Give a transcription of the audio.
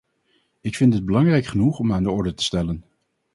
Ik vind dit belangrijk genoeg om aan de orde te stellen.